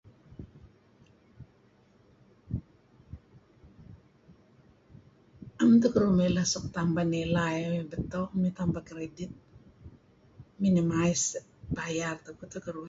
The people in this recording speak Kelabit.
'am teh keduih mileh suk tambah nilai beto' mey tambah credit, [unintelligible] bayar tupu teh keduih.